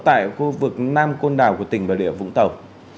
tại khu vực nam côn đảo của tỉnh bà rịa vũng tàu